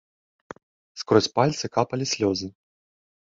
Скрозь пальцы капалі слёзы.